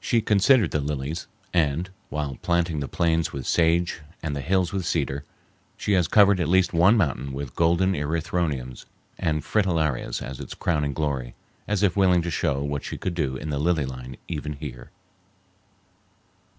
She considered the lilies, and, while planting the plains with sage and the hills with cedar, she has covered at least one mountain with golden erythroniums and fritillarias as its crowning glory, as if willing to show what she could do in the lily line even here.